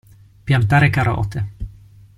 Piantare carote.